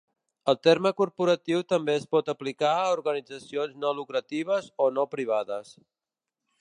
El terme corporatiu també es pot aplicar a organitzacions no lucratives o no privades.